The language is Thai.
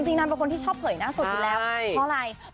นางเป็นคนที่ชอบเผยหน้าสุดอยู่แล้วเพราะอะไร